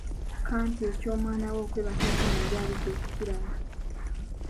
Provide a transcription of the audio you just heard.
Kampi eky'omwana we okwebaka emisana yali aludde okukiraba.